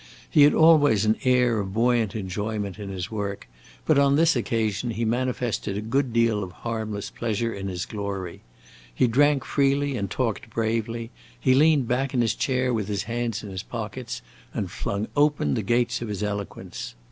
He had always an air of buoyant enjoyment in his work, but on this occasion he manifested a good deal of harmless pleasure in his glory. He drank freely and talked bravely; he leaned back in his chair with his hands in his pockets, and flung open the gates of his eloquence.